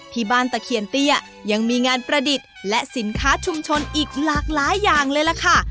ตะเคียนเตี้ยยังมีงานประดิษฐ์และสินค้าชุมชนอีกหลากหลายอย่างเลยล่ะค่ะ